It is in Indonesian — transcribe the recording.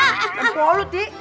tentu olu di